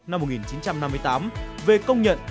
năm một nghìn chín trăm năm mươi tám về công nhận